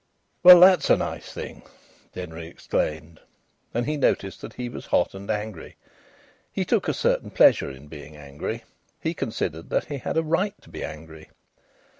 "Well, that's a nice thing!" Denry exclaimed, and he noticed that he was hot and angry. He took a certain pleasure in being angry. He considered that he had a right to be angry.